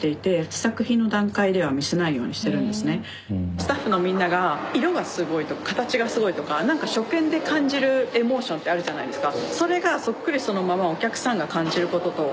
スタッフのみんなが色がすごいとか形がすごいとか何か初見で感じるエモーションってあるじゃないですか。